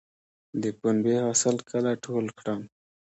د پنبې حاصل کله ټول کړم؟